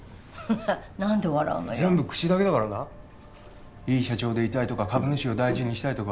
何で笑うのよ全部口だけだからないい社長でいたいとか株主を大事にしたいとか